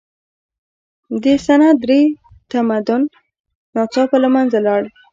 د سند درې تمدن ناڅاپه له منځه لاړ.